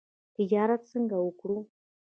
تجارت څنګه وکړو؟